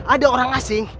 ada orang asing